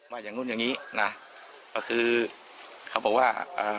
ว่าอย่างนู้นอย่างนี้นะก็คือเขาบอกว่า